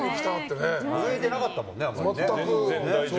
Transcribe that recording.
震えてなかったもんね。